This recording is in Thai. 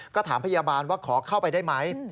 ก็ถามพยาบาลว่าขอเข้าไปได้ไหม